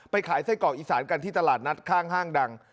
ขายไส้กรอกอีสานกันที่ตลาดนัดข้างห้างดัง